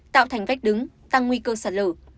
tạo thành vách đứng tăng nguy cơ sạt lở